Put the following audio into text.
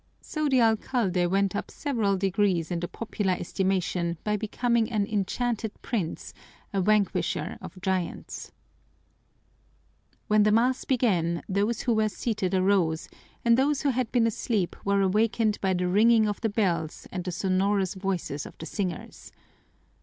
So the alcalde went up several degrees in the popular estimation by becoming an enchanted prince, a vanquisher of giants. When the mass began, those who were seated arose and those who had been asleep were awakened by the ringing of the bells and the sonorous voices of the singers.